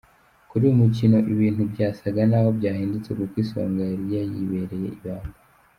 Kuri uyu mukino ibintu bysaga n’aho byahindutse kuko Isonga yari yayibereye ibamba.